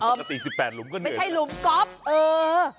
ปกติสิบแปดหลุมก็เหนื่อยไม่ใช่หลุมก๊อบเออ